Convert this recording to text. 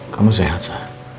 kamu sehat sa